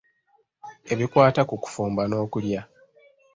Ebikwata ku kufumba n’okulya.